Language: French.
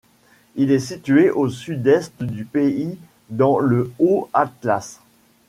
Il est situé au Sud-Est du pays dans le Haut Atlas.